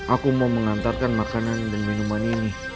aku mau mengantarkan makanan dan minuman ini